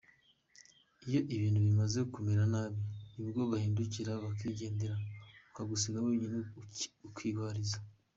Iyo ibintu bimaze kumera nabi nibwo bahindukira bakigendera bakagusiga wenyine ukirwariza.